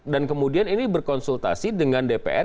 dan kemudian ini berkonsultasi dengan dpr